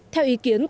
theo ý kiến